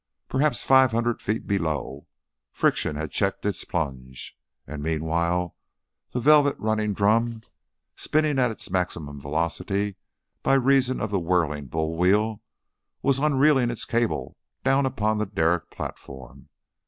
Perhaps five hundred feet below, friction had checked its plunge, and meanwhile the velvet running drum, spinning at its maximum velocity by reason of the whirling bull wheel, was unreeling its cable down upon the derrick platform.